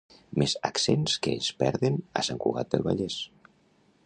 Més accents que es perden a Sant Cugat del Vallès